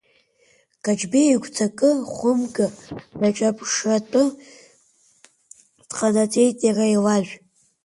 Каҷбеи игәҭакы хәымга даҿаԥҽратәы дҟанаҵеит иара илажә.